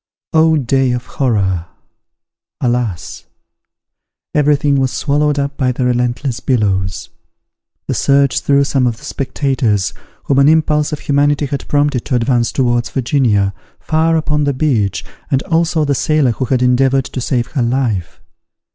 Oh, day of horror! Alas! every thing was swallowed up by the relentless billows. The surge threw some of the spectators, whom an impulse of humanity had prompted to advance towards Virginia, far upon the beach, and also the sailor who had endeavoured to save her life.